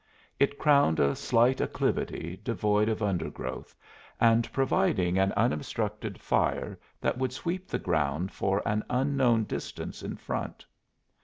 It crowned a slight acclivity devoid of undergrowth and providing an unobstructed fire that would sweep the ground for an unknown distance in front.